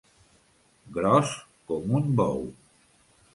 Gros com un bou.